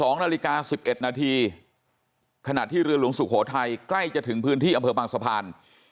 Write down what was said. ๒นาฬิกา๑๑นาทีขณะที่เรือหลวงสุโขทัยใกล้จะถึงพื้นที่อำเภอบางสะพาน